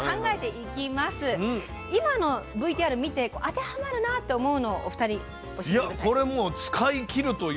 今のＶＴＲを見て当てはまるなと思うのをお二人教えて下さい。